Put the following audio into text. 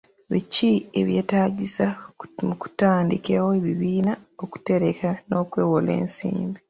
Biki ebyetaagisa mu kutandikawo ebibiina by'okutereka n'okwewola ensimbi?